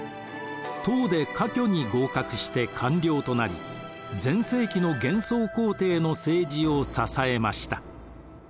唐で科挙に合格して官僚となり全盛期の玄宗皇帝の政治を支えました。